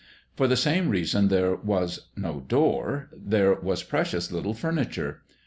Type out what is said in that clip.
For the same reason that there was no door, there was precious little furniture.